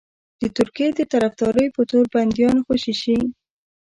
د ترکیې د طرفدارۍ په تور بنديان خوشي شي.